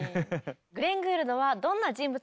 グレン・グールドはどんな人物だったのか。